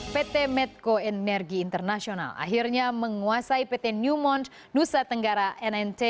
pt medco energi internasional akhirnya menguasai pt newmont nusa tenggara nnt